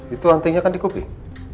itu antinya kan di kuping